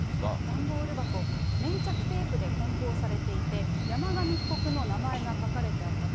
段ボール箱、粘着テープでこん包されていて、山上被告の名前が書かれてあったと。